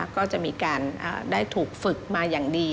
ก็จะมีการได้ถูกฝึกมาอย่างดี